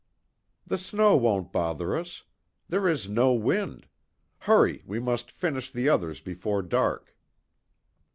"The snow won't bother us. There is no wind. Hurry, we must finish the others before dark."